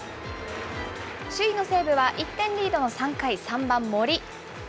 首位の西武は、１点リードの３回、３番森。